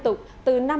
sau gần một